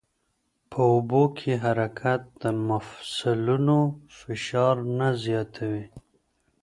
په اوبو کې حرکت د مفصلونو فشار نه زیاتوي.